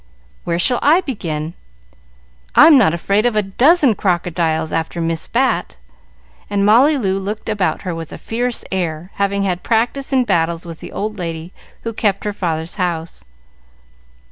"Where shall I begin? I'm not afraid of a dozen crocodiles after Miss Bat;" and Molly Loo looked about her with a fierce air, having had practice in battles with the old lady who kept her father's house.